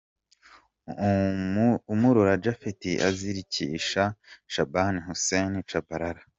Imurora Japhet azirika Shaban Hussein Tchabalala.